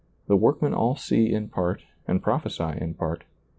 The workmen all see in part and prophesy in part.